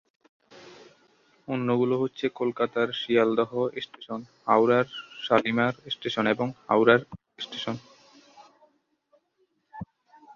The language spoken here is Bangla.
অন্যগুলো হচ্ছে কলকাতার শিয়ালদহ স্টেশন, হাওড়ার শালিমার স্টেশন এবং হাওড়া স্টেশন।